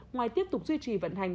ngoài tiếp tục duy trì vận hành